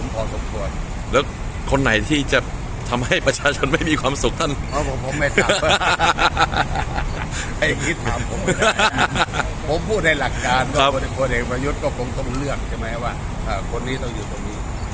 ก็ฉะนั้นต้องให้ปัชชนก็มีเรื่องพี่ป้าม